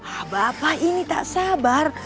ah bapak ini tak sabar